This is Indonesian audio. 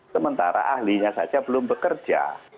sementara ahlinya saja belum bekerja